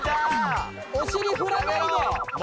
お尻振らないで！